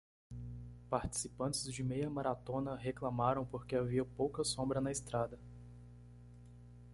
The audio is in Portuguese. Participantes de meia maratona reclamaram porque havia pouca sombra na estrada.